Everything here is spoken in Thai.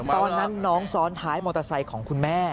ตอนนั้นน้องซ้อนท้ายมอเตอร์ไซค์ของคุณแม่